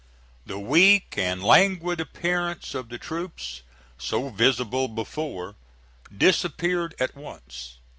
The weak and languid appearance of the troops, so visible before, disappeared at once.